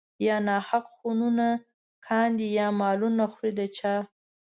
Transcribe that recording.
يا ناحق خونونه کاندي يا مالونه خوري د چا